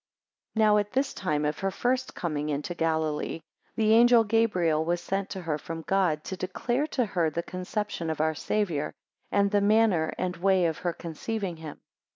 NOW at this time of her first coming into Galilee, the angel Gabriel was sent to her from God, to declare to her the conception of our Saviour, and the manner and way of her conceiving him.